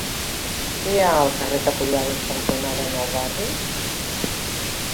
Què hi ha al carrer Capellades cantonada Nou Barris?